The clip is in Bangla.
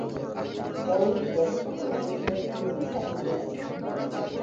পরবর্তী দশকগুলিতে পত্রিকাটি প্রচুর সাফল্য লাভ করে।